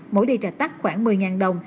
mỗi đầy trà tắc khoảng một mươi đồng